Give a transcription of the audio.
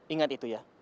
ingat itu ya